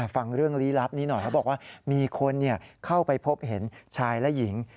ฟังเรื่องลี้ลับนี้หน่อยเขาบอกว่ามีคนเข้าไปพบเห็นชายและหญิง